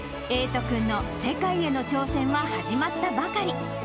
瑛斗君の世界への挑戦は始まったばかり。